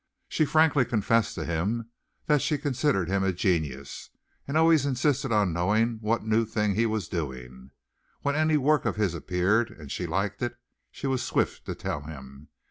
She frankly confessed to him that she considered him a genius and always insisted on knowing what new thing he was doing. When any work of his appeared and she liked it she was swift to tell him.